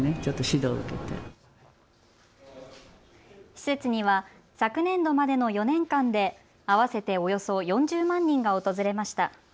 施設には昨年度までの４年間で合わせておよそ４０万人が訪れました。